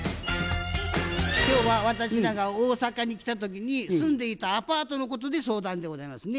今日は私らが大阪に来た時に住んでいたアパートのことで相談でございますね。